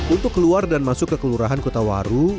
untuk keluar dan masuk ke kelurahan kota waru